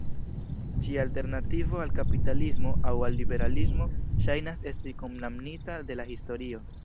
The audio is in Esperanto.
Ĉia alternativo al kapitalismo aŭ al liberalismo ŝajnas esti kondamnita de la historio.